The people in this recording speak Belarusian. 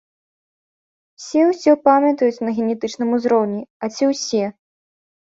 Усе ўсё памятаюць на генетычным узроўні, а ці ўсе?